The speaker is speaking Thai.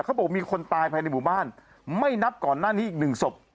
เขาบอกว่ามีคนตายภายในบุตรบ้านไม่นับก่อนหน้านี้อีก๑ศพ